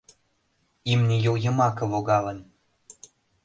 — Имне йол йымаке логалын.